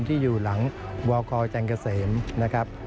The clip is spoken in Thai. ที่อยู่หลังวคจันเกษมนะครับ